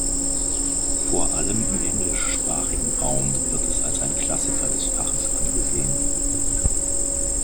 Vor allem im englischsprachigen Raum wird es als ein Klassiker des Faches angesehen.